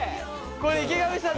これ池上さん